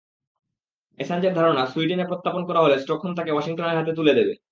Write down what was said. অ্যাসাঞ্জের ধারণা, সুইডেনে প্রত্যর্পণ করা হলে স্টকহোম তাঁকে ওয়াশিংটনের হাতে তুলে দেবে।